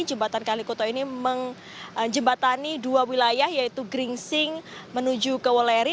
jembatan kalikuto ini menjembatani dua wilayah yaitu geringsing menuju ke woleri